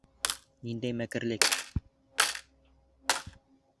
Ниндәй мәкерлек!